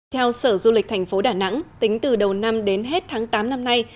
theo sở du lịch thành phố đà nẵng tính từ đầu năm đến hết tháng tám năm nay